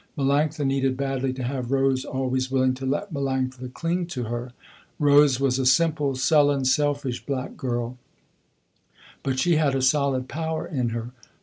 Melanctha needed badly to have Rose always willing to let Melanctha cling to her. Rose was a simple, sullen, selfish, black girl, but she had a solid power in her.